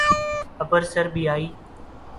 اپر سربیائی